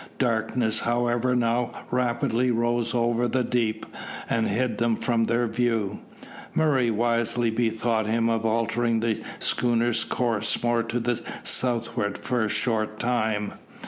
Darkness, however, now rapidly rose over the deep, and hid them from their view. Murray wisely bethought him of altering the schooner's course more to the southward for a short time.